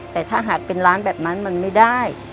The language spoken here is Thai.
แต่ถ้าหากเป็นร้านแบบนั้นมันไม่ได้